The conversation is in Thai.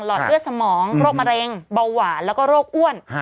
อดเลือดสมองโรคมะเร็งเบาหวานแล้วก็โรคอ้วน